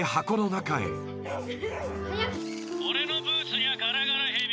「俺のブーツにはガラガラヘビ」